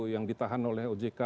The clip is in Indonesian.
yang ditahan oleh ojk